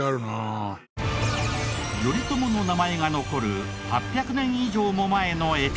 頼朝の名前が残る８００年以上も前のエピソード。